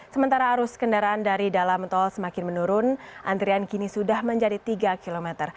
sementara arus kendaraan dari dalam tol semakin menurun antrian kini sudah menjadi tiga km